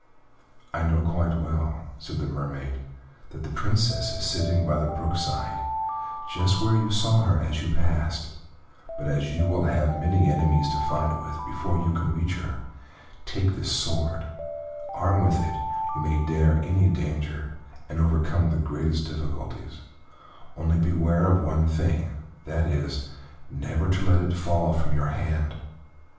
"I know quite well," said the Mermaid, "that the Princess is sitting by the brook side, just where you saw her as you passed, but as you will have many enemies to fight with before you can reach her, take this sword; armed with it you may dare any danger, and overcome the greatest difficulties, only beware of one thing that is, never to let it fall from your hand.